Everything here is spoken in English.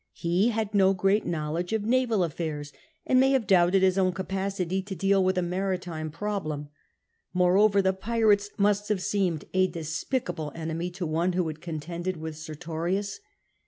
He had no great knowledge of naval affairs, and may have doubted his own capacity to deal with a maritime problem. Moreover, the pirates must have seemed a despicable enemy to one who had contended with Sertorius.